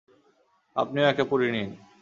আপনিও একটা পুরী নিন।